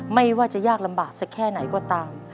ไม่ว่าจะยากลำบากสักแค่ไหนก็ตาม